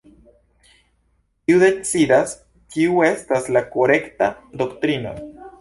Kiu decidas kiu estas la "korekta" doktrino?